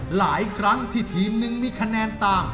หลายครั้งที่ทีมหนึ่งมีคะแนนต่าง